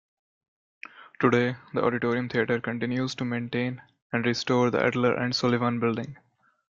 Today, the Auditorium Theatre continues to maintain and restore the Adler and Sullivan building.